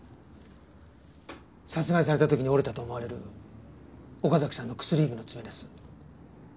殺害された時に折れたと思われる岡崎さんの薬指の爪です。